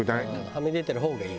はみ出てる方がいい？